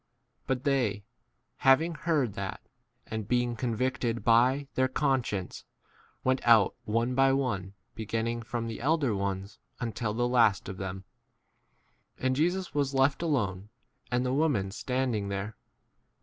9 But they, having heard [that], and being convicted by their con science, went out one by one, be ginning from the elder ones until the last of them ; and Jesus was left alone and the woman stand 10 ing there.